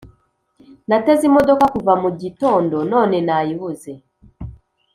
Nateze imodoka kuva mu gitondo none nayibuze